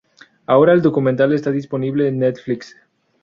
Ahora el documental está disponible en Netflix.